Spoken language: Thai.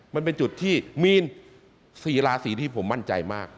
มันเป็นจุดที่มีน๔ราศีที่ผมมั่นใจมาก